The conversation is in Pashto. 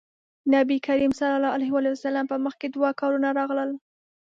نبي کريم ص په مخکې دوه کارونه راغلل.